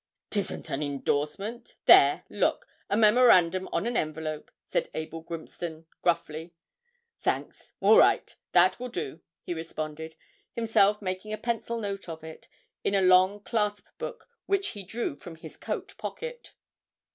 ''Tisn't an indorsement. There, look a memorandum on an envelope,' said Abel Grimston, gruffly. 'Thanks all right that will do,' he responded, himself making a pencil note of it, in a long clasp book which he drew from his coat pocket.